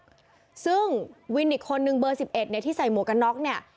ซึ่งวินอีกคนนึงเบอร์สิบเอ็ดเนี่ยที่ใส่หมวกกันน็อกเนี่ย